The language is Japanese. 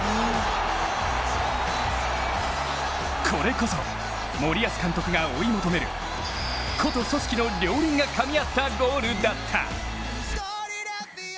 これこそ森保監督が追い求める個と組織の両輪がかみあったゴールだった。